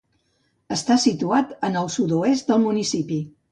Està situat en el sud-oest del municipi.